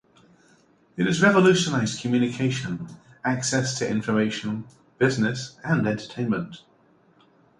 It has revolutionized communication, access to information, business, and entertainment.